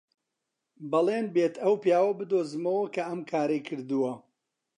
بەڵێن بێت ئەو پیاوە بدۆزمەوە کە ئەم کارەی کردووە.